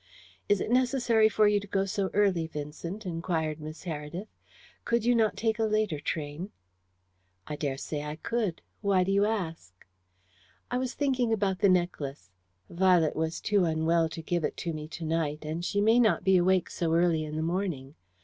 "Is it necessary for you to go so early, Vincent?" inquired Miss Heredith. "Could you not take a later train?" "I daresay I could. Why do you ask?" "I was thinking about the necklace. Violet was too unwell to give it to me to night, and she may not be awake so early in the morning.